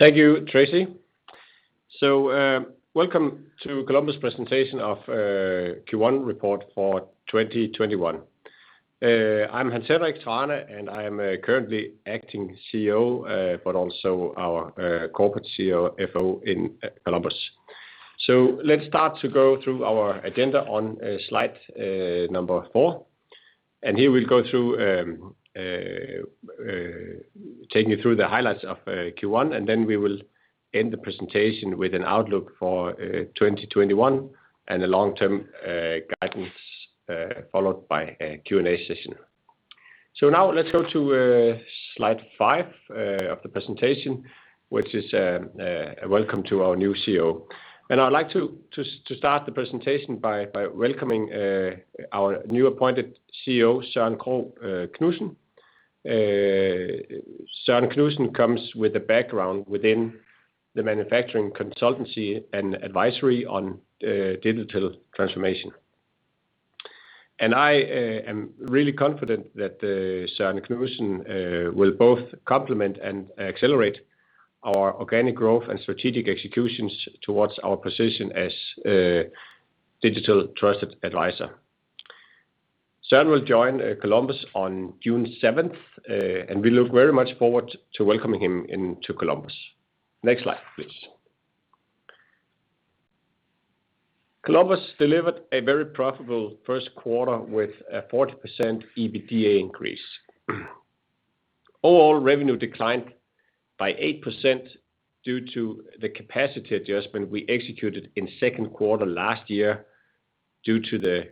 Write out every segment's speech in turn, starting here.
Thank you Tracy. Welcome to Columbus presentation of Q1 report for 2021. I'm Hans Henrik Thrane, and I'm currently acting CEO, but also our Corporate CFO in Columbus. Let's start to go through our agenda on slide number four, and here we'll go through taking you through the highlights of Q1, and then we will end the presentation with an outlook for 2021 and the long-term guidance, followed by a Q&A session. Now let's go to slide five of the presentation, which is a welcome to our new CEO. I'd like to start the presentation by welcoming our new appointed CEO, Søren Krogh Knudsen. Søren Knudsen comes with a background within the manufacturing consultancy and advisory on digital transformation. I am really confident that Søren Knudsen will both complement and accelerate our organic growth and strategic executions towards our position as a digital trusted advisor. Søren will join Columbus on June 7th, 2021 and we look very much forward to welcoming him into Columbus. Next slide, please. Columbus delivered a very profitable first quarter with a 40% EBITDA increase. Overall revenue declined by 8% due to the capacity adjustment we executed in second quarter last year due to the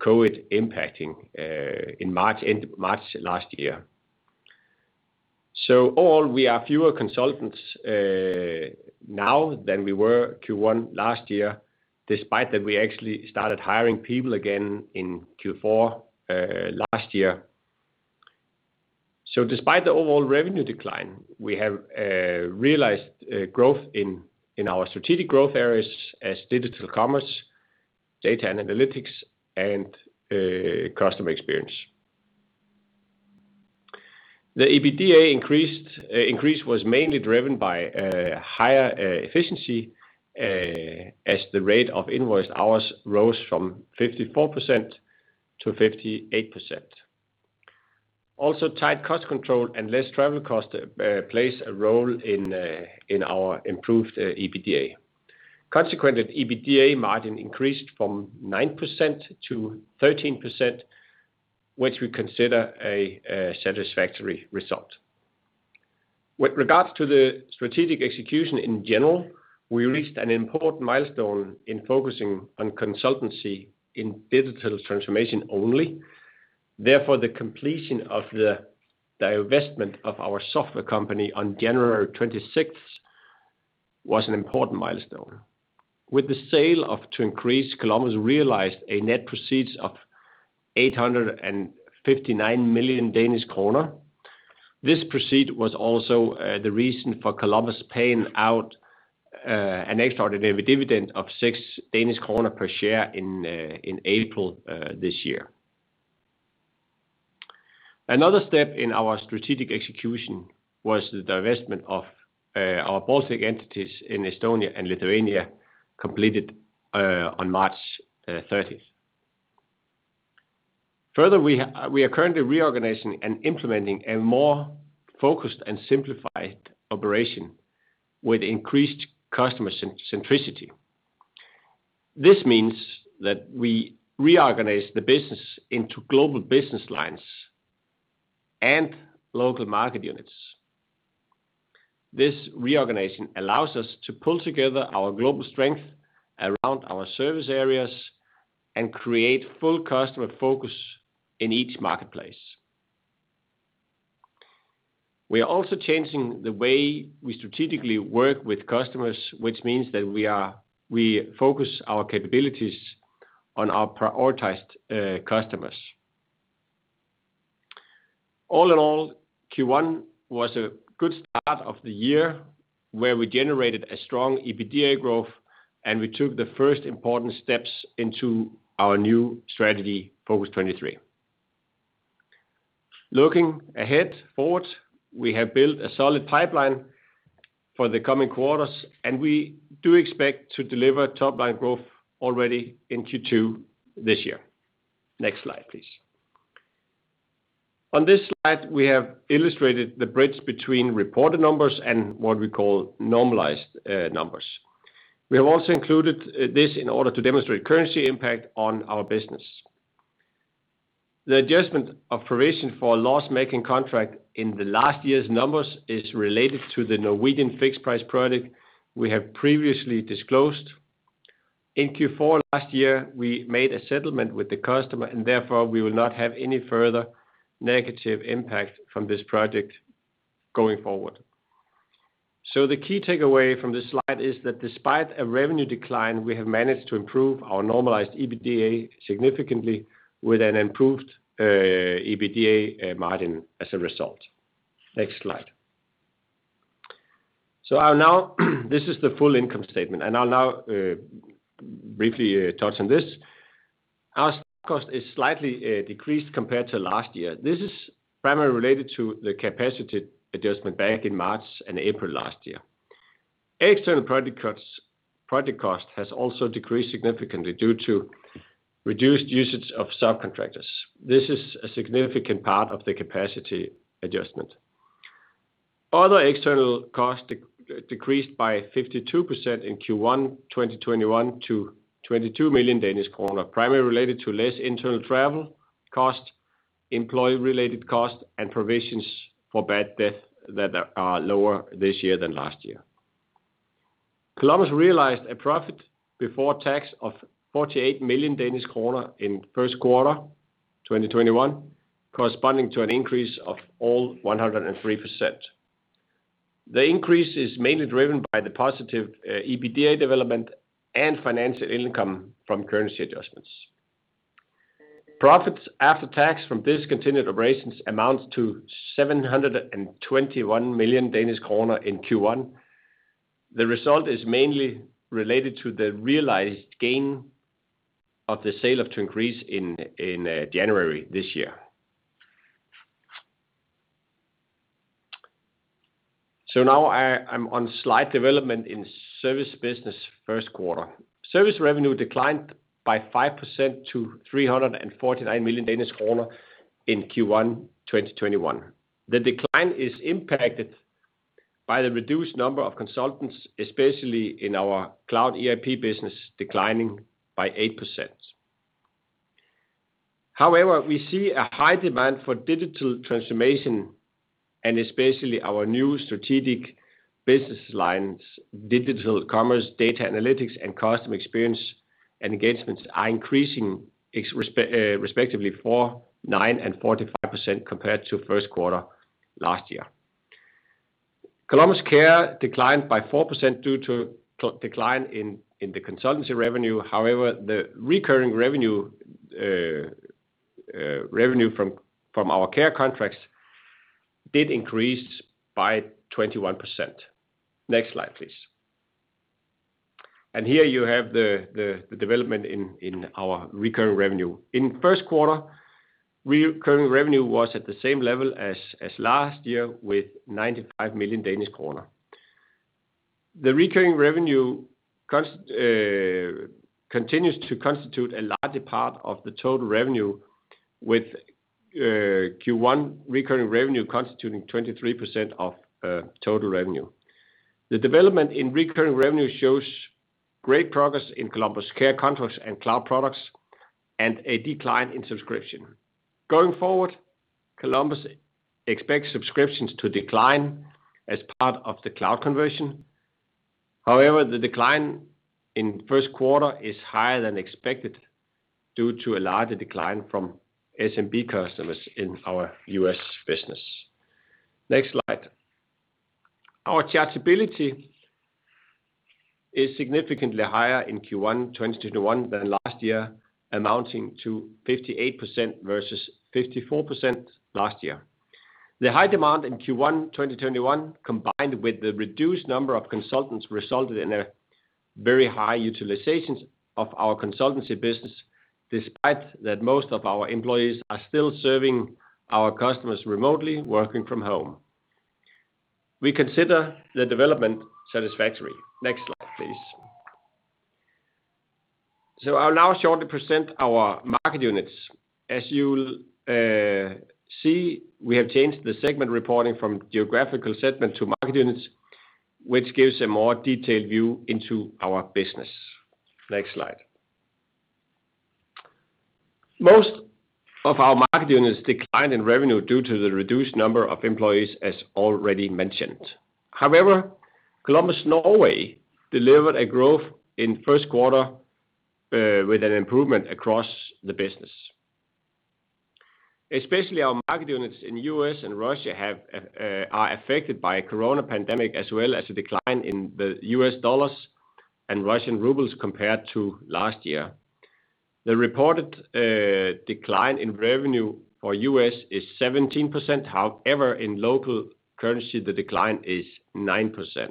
COVID impacting in March 2020. Overall, we are fewer consultants now than we were Q1 last year, despite that we actually started hiring people again in Q4 last year. Despite the overall revenue decline, we have realized growth in our strategic growth areas as Digital commerce, Data analytics, and Customer experience. The EBITDA increase was mainly driven by higher efficiency as the rate of invoiced hours rose from 54%-58%. Also, tight cost control and less travel cost plays a role in our improved EBITDA. Consequent EBITDA margin increased from 9%-13%, which we consider a satisfactory result. With regards to the strategic execution in general, we reached an important milestone in focusing on consultancy in Digital Transformation only. Therefore, the completion of the divestment of our software company on January 26th, 2021 was an important milestone. With the sale of To-Increase, Columbus realized a net proceeds of 859 million Danish kroner. This proceed was also the reason for Columbus paying out an extraordinary dividend of 6 Danish kroner per share in April this year. Another step in our strategic execution was the divestment of our Baltic entities in Estonia and Lithuania, completed on March 30th, 2021. Further, we are currently reorganizing and implementing a more focused and simplified operation with increased customer-centricity. This means that we reorganize the business into global business lines and local market units. This reorganization allows us to pull together our global strength around our service areas and create full customer focus in each marketplace. We are also changing the way we strategically work with customers, which means that we focus our capabilities on our prioritized customers. All in all, Q1 was a good start of the year, where we generated a strong EBITDA growth, and we took the first important steps into our new strategy, Focus23. Looking ahead forward, we have built a solid pipeline for the coming quarters, and we do expect to deliver top-line growth already in Q2 this year. Next slide, please. On this slide, we have illustrated the bridge between reported numbers and what we call normalized numbers. We have also included this in order to demonstrate currency impact on our business. The adjustment of provision for a loss-making contract in the last year's numbers is related to the Norwegian fixed-price project we have previously disclosed. In Q4 last year, we made a settlement with the customer, and therefore, we will not have any further negative impact from this project going forward. The key takeaway from this slide is that despite a revenue decline, we have managed to improve our normalized EBITDA significantly with an improved EBITDA margin as a result. Next slide. This is the full income statement, and I'll now briefly touch on this. Our staff cost is slightly decreased compared to last year. This is primarily related to the capacity adjustment back in March and April last year. External project cost has also decreased significantly due to reduced usage of subcontractors. This is a significant part of the capacity adjustment. Other external costs decreased by 52% in Q1 2021 to 22 million Danish kroner, primarily related to less internal travel cost, employee-related cost, and provisions for bad debt that are lower this year than last year. Columbus realized a profit before tax of 48 million Danish kroner in Q1 2021, corresponding to an increase of all 103%. The increase is mainly driven by the positive EBITDA development and financial income from currency adjustments. Profits after tax from discontinued operations amounts to 721 million Danish kroner in Q1. The result is mainly related to the realized gain of the sale of To-Increase in January this year. Now I'm on slide development in service business first quarter. Service revenue declined by 5% to 349 million Danish kroner in Q1 2021. The decline is impacted by the reduced number of consultants, especially in our Cloud ERP business, declining by 8%. However, we see a high demand for Digital Transformation and especially our new strategic business lines, digital commerce, data analytics, and customer experience and engagements are increasing, respectively 4%, 9%, and 45% compared to first quarter 2020. Columbus Care declined by 4% due to decline in the consultancy revenue. However, the recurring revenue from our care contracts did increase by 21%. Next slide, please. Here you have the development in our recurring revenue. In the first quarter, recurring revenue was at the same level as last year with 95 million Danish kroner. The recurring revenue continues to constitute a larger part of the total revenue, with Q1 recurring revenue constituting 23% of total revenue. The development in recurring revenue shows great progress in Columbus Care contracts and cloud products and a decline in subscription. Going forward, Columbus expects subscriptions to decline as part of the cloud conversion. The decline in first quarter is higher than expected due to a larger decline from SMB customers in our U.S. business. Next slide. Our chargeability is significantly higher in Q1 2021 than last year, amounting to 58% versus 54% last year. The high demand in Q1 2021, combined with the reduced number of consultants, resulted in a very high utilization of our consultancy business, despite that most of our employees are still serving our customers remotely working from home. We consider the development satisfactory. Next slide, please. I'll now shortly present our market units. As you'll see, we have changed the segment reporting from geographical segment to market units, which gives a more detailed view into our business. Next slide. Most of our market units declined in revenue due to the reduced number of employees, as already mentioned. Columbus Norway delivered a growth in first quarter with an improvement across the business. Especially our market units in U.S. and Russia are affected by corona pandemic as well as a decline in the U.S. dollars and Russian rubles compared to last year. The reported decline in revenue for U.S. is 17%. In local currency, the decline is 9%.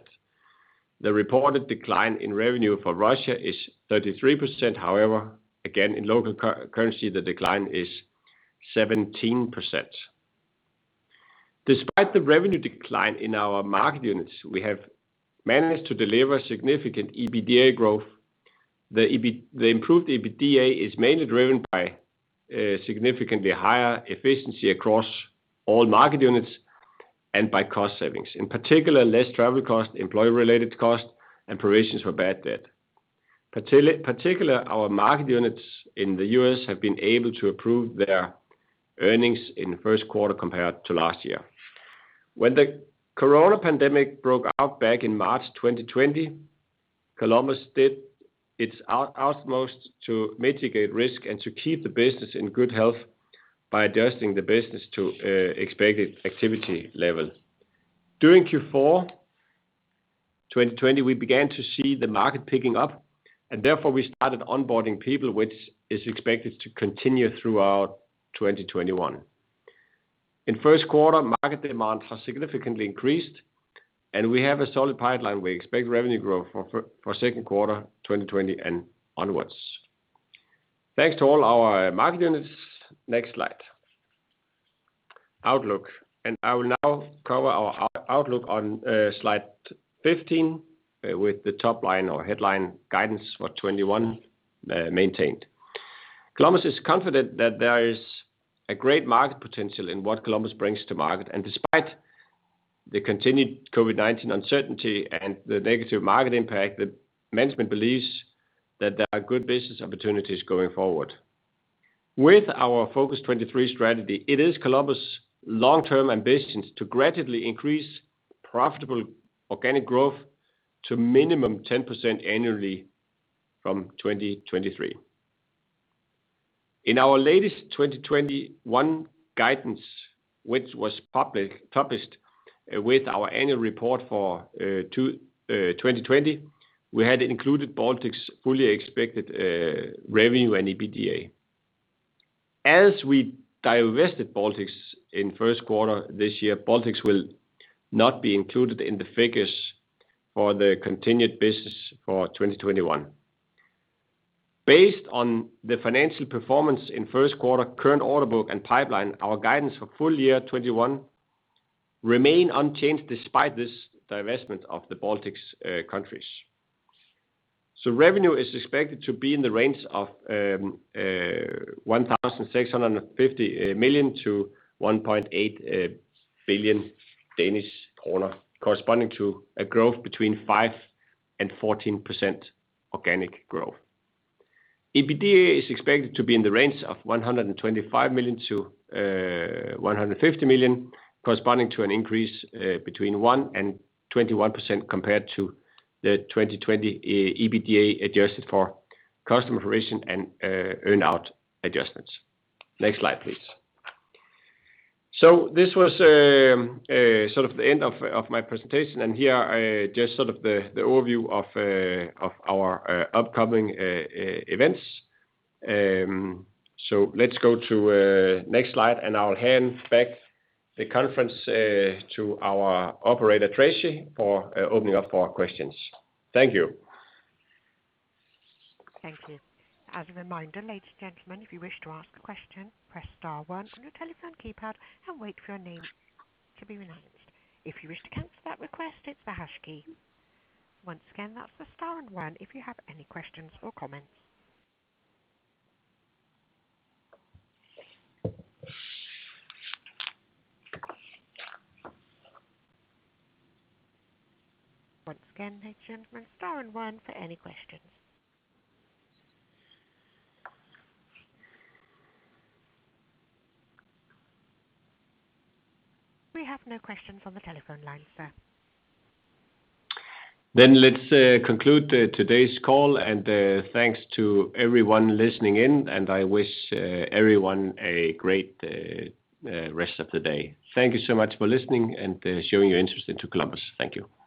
The reported decline in revenue for Russia is 33%. Again, in local currency, the decline is 17%. Despite the revenue decline in our market units, we have managed to deliver significant EBITDA growth. The improved EBITDA is mainly driven by significantly higher efficiency across all market units and by cost savings, in particular, less travel cost, employee-related cost, and provisions for bad debt. Particular, our market units in the U.S. have been able to improve their earnings in the first quarter compared to last year. When the corona pandemic broke out back in March 2020, Columbus did its utmost to mitigate risk and to keep the business in good health by adjusting the business to expected activity levels. During Q4 2020, we began to see the market picking up, and therefore we started onboarding people, which is expected to continue throughout 2021. In first quarter, market demand has significantly increased, and we have a solid pipeline. We expect revenue growth for second quarter 2021 and onwards. Thanks to all our market units. Next slide. Outlook. I will now cover our outlook on Slide 15 with the top line or headline guidance for 2021 maintained. Columbus is confident that there is a great market potential in what Columbus brings to market. Despite the continued COVID-19 uncertainty and the negative market impact, the management believes that there are good business opportunities going forward. With our Focus23 strategy, it is Columbus' long-term ambitions to gradually increase profitable organic growth to a minimum 10% annually from 2023. In our latest 2021 guidance, which was published with our annual report for 2020, we had included Baltics' fully expected revenue and EBITDA. We divested Baltics in first quarter this year, Baltics will not be included in the figures for the continued business for 2021. Based on the financial performance in first quarter, current order book, and pipeline, our guidance for full year 2021 remains unchanged despite this divestment of the Baltics countries. Revenue is expected to be in the range of 1,650 million to 1.8 billion Danish kroner, corresponding to a growth between 5% and 14% organic growth. EBITDA is expected to be in the range of 125 million-150 million, corresponding to an increase between 1%-21% compared to the 2020 EBITDA, adjusted for customer retention and earn-out adjustments. Next slide, please. This was the end of my presentation, and here, just the overview of our upcoming events. Let's go to the next slide, and I'll hand back the conference to our operator, Tracy, for opening up for questions. Thank you. Thank you. As a reminder, ladies and gentlemen, if you wish to ask a question, press star one on your telephone keypad and wait for your name to be announced. If you wish to cancel that request, hit the hash key. Once again, that's star and one if you have any questions or comments. Once again, ladies and gentlemen, star and one for any questions. We have no questions on the telephone lines, sir. Let's conclude today's call, thanks to everyone listening in, I wish everyone a great rest of the day. Thank you so much for listening and showing your interest in Columbus. Thank you.